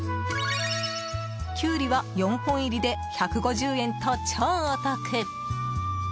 キュウリは４本入りで１５０円と超お得。